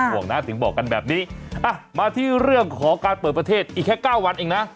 บอกนะถึงบอกกันแบบนี้มาที่เรื่องของการเปิดประเทศอีกแค่๙วันเองนะ